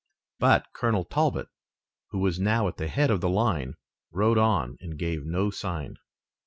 But Colonel Talbot, who was now at the head of the line, rode on and gave no sign.